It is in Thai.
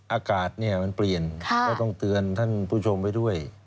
อากาศมันเปลี่ยนก็ต้องเตือนท่านผู้ชมไว้ด้วย